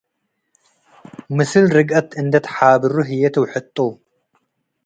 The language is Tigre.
ምስል ርግአት እንዴ ተሓብሩ ህዬ ትውሕጡ ።